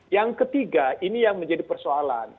yang ketiga ini yang menjadi persoalan